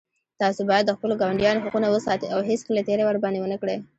تاسو باید د خپلو ګاونډیانو حقونه وساتئ او هېڅکله تېری ورباندې ونه کړئ